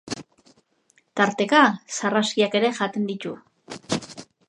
Tarteka sarraskiak ere jaten ditu.